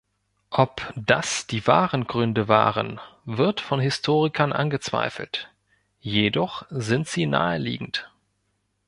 Ob das die wahren Gründe waren, wird von Historikern angezweifelt, jedoch sind sie naheliegend.